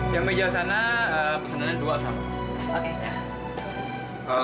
yang meja sana pesanannya dua sama